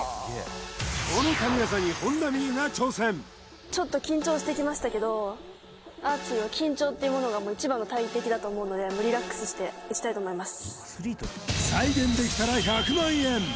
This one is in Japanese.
この神業に本田望結が挑戦アーチェリーは緊張っていうものが一番の大敵だと思うのでリラックスして撃ちたいと思います